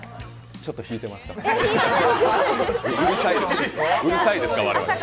ちょっと引いてますか？